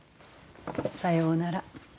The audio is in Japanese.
さようなら。